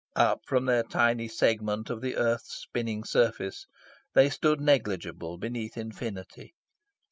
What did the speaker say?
Up from their tiny segment of the earth's spinning surface they stood negligible beneath infinity.